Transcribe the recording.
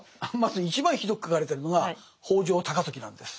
まず一番ひどく書かれてるのが北条高時なんです。